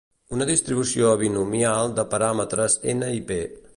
Una distribució binomial de paràmetres n i p